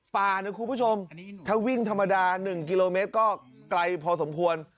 ป่านะคุณผู้ชมถ้าวิ่งธรรมดา๑กิโลเมตรก็ไกลพอสมควร